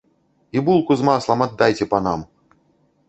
І булку з маслам аддайце панам!